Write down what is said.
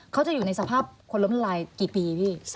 เขาจะอยู่ในสภาพคนล้มลายกี่ปีพี่